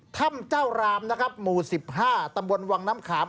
ถ้ำเจ้ารามนะครับหมู่๑๕ตำบลวังน้ำขาม